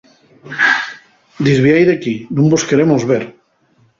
¡Disviái d'equí! Nun vos queremos ver.